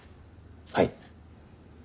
はい。